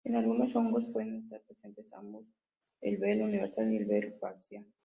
En algunos hongos, pueden estar presentes ambos, el velo universal y el velo parcial.